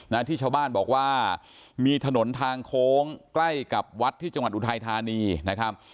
นะที่ชาวบ้านบอกว่ามีถนนทางโค้งใกล้กับวัดที่จังหวัดอุทัยธานีนะครับ